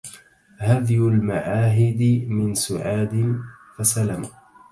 هذي المعاهد من سعاد فسلم